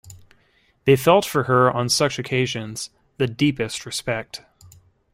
They felt for her on such occasions the deepest respect.